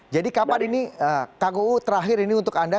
jadi kapan ini kang uu terakhir ini untuk anda